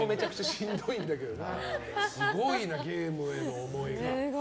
すごいな、ゲームへの思いが。